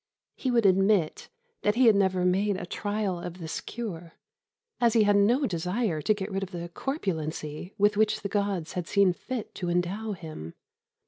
He would admit that he had never made a trial of this cure, as he had no desire to get rid of the corpulency with which the gods had seen fit to endow him.